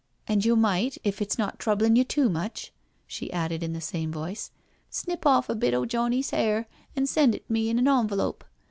And yo' might, if it's not troublin'you too much," she added in the same voice, " snip ofiF a bit o* Johnny's 'air an' IN THE COURTYARD 85 send it me in an enverope.